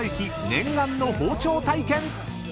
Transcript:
念願の包丁体験］